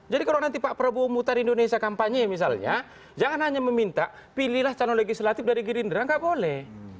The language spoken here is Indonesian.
jadi kalau nanti pak prabowo mutar indonesia kampanye misalnya jangan hanya meminta pilihlah calon legislatif dari girindra nggak boleh